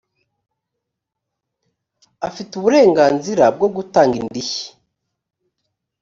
afite uburenganzira bwogutanga indishyi.